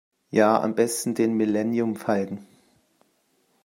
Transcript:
Ja, am besten den Millenniumfalken.